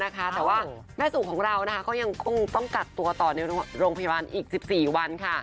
แต่ว่าแม่สูตรของเรายังต้องกัดตัวต่อในโรงพยาบาลอีกสิบสี่วัน